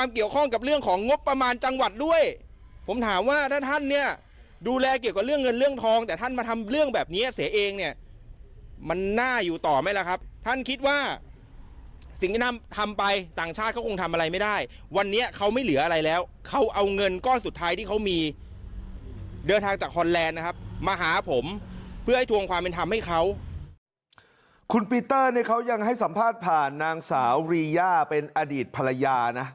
คุณปีเตอร์เนี่ยเขายังให้สัมภาษณ์ผ่านนางสาวรีย่าเป็นอดีตภรรยานะ